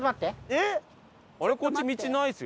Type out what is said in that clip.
えっ？